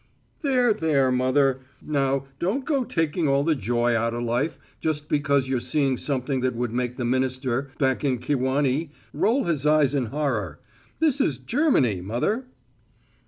"There, there, mother! Now, don't go taking all the joy outa life just because you're seeing something that would make the minister back in Kewanee roll his eyes in horror. This is Germany, mother!"